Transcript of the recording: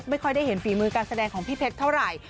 ไม่ค่อยได้เห็นฝีมือการแสดงของพี่เพชรเท่าไหร่